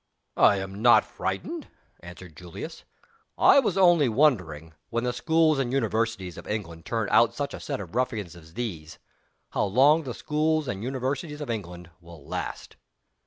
"I am not frightened," answered Julius. "I am only wondering when the Schools and Universities of England turn out such a set of ruffians as these how long the Schools and Universities of England will last."